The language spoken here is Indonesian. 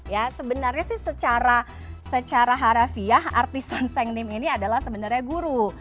ya sebenarnya sih secara harafiah artisan sengnim ini adalah sebenarnya guru